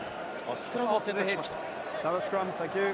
スクラムを選択しました。